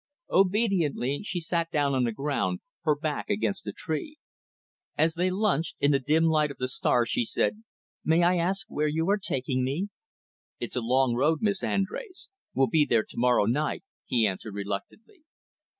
Obediently, she sat down on the ground, her back against a tree. As they lunched, in the dim light of the stars, she said, "May I ask where you are taking me?" "It's a long road, Miss Andrés. We'll be there to morrow night," he answered reluctantly.